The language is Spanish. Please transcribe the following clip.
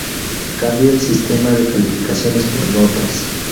Cambio el sistema de calificaciones por notas.